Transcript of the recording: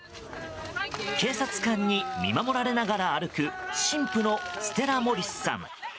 警察官に見守られながら歩く新婦のステラ・モリスさん。